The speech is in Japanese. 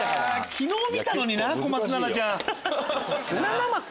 昨日見たのに小松菜奈ちゃん。